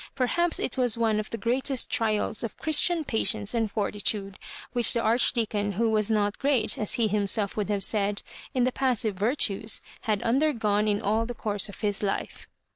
Perhaps it was one of the greatest trials of Christian patience and fortitude which the Arch deacon, who was not great, as he himself would have said, in the passive virtues, had undergone in all the course of his life.